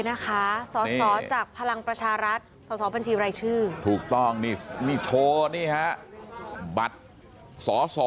นะคะสอสอจากพลังประชารัฐสอสอบัญชีรายชื่อถูกต้องนี่นี่โชว์นี่ฮะบัตรสอสอ